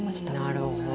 なるほど。